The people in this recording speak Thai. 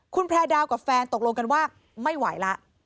คุณแพร่ดาวกับแฟนตกลงกันว่าไม่ไหวแล้ว